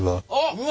うわ！？